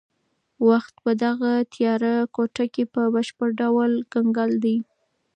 وخت په دغه تیاره کوټه کې په بشپړ ډول کنګل دی.